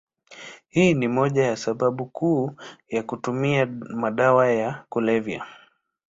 Hii ni moja ya sababu kuu ya kutumia madawa ya kulevya.